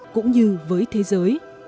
cũng như với thế giới